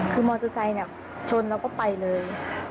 คือมอเตอร์ไซค์ชนแล้วก็ไปเลย